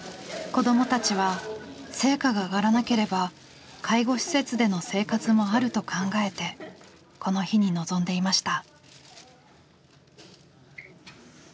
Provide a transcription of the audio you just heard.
子どもたちは成果が上がらなければ介護施設での生活もあると考えてこの日に臨んでいました。